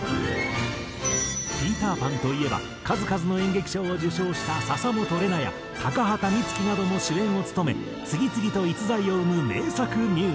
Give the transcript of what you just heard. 『ピーター・パン』といえば数々の演劇賞を受賞した笹本玲奈や高畑充希なども主演を務め次々と逸材を生む名作ミュージカル。